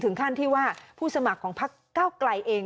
ถึงขั้นที่ว่าผู้สมัครของพักเก้าไกลเอง